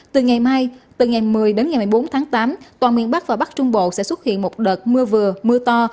từ ngày một mươi đến ngày một mươi bốn tháng tám toàn miền bắc và bắc trung bộ sẽ xuất hiện một đợt mưa vừa mưa to